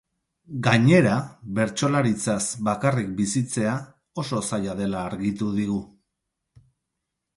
Gainera, bertsolaritzaz bakarrik bizitzea oso zaila dela argitu digu.